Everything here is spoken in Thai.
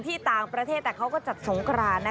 ที่ต่างประเทศแต่เขาก็จัดสงคราน